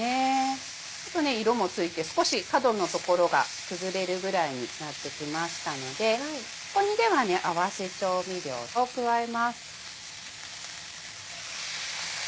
ちょっと色もついて少し角の所が崩れるぐらいになってきましたのでここにでは合わせ調味料を加えます。